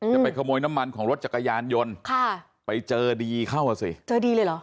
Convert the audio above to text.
จะไปขโมยน้ำมันของรถจักรยานยนต์ค่ะไปเจอดีเข้าอ่ะสิเจอดีเลยเหรอ